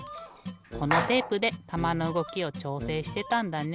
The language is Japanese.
このテープでたまのうごきをちょうせいしてたんだね。